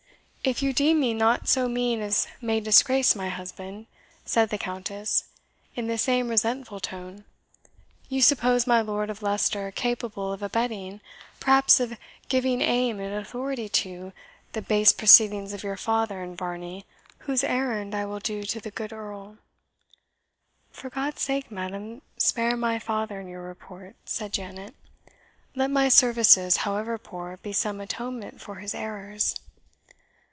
"If you deem me not so mean as may disgrace my husband," said the Countess, in the same resentful tone, "you suppose my Lord of Leicester capable of abetting, perhaps of giving aim and authority to, the base proceedings of your father and Varney, whose errand I will do to the good Earl." "For God's sake, madam, spare my father in your report," said Janet; "let my services, however poor, be some atonement for his errors!"